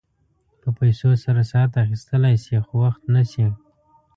په پیسو سره ساعت اخيستلی شې خو وخت نه شې.